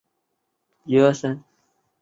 于将军澳设有牙科中心。